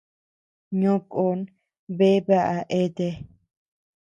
Ño kon bea baʼa eatea.